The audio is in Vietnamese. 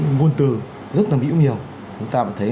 ngôn từ rất là mỹ miều chúng ta có thấy